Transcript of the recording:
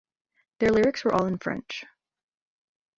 Their lyrics were all in French.